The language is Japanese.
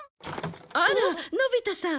あらのび太さん。